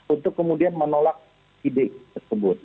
untuk kemudian menolak ide tersebut